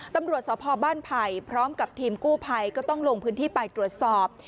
ตำรวจสพบ้านไผ่พร้อมกับทีมกู้ภัยก็ต้องลงพื้นที่ไปตรวจสอบ